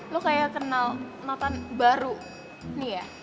lo kayak kenal makan baru nih ya